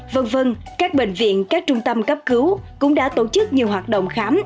vân vân các bệnh viện các trung tâm cấp cứu cũng đã tổ chức nhiều hoạt động khám